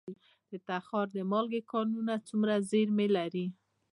د تخار د مالګې کانونه څومره زیرمې لري؟